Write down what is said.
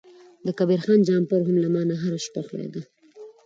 د کبیر خان جمپر هم له ما نه هره شیبه ښویده.